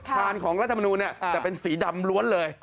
ทานของรัฐมนูลจะเป็นสีดำล้วนเลย